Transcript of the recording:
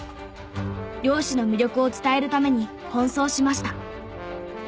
漁師の魅力を伝えるために奔走しました。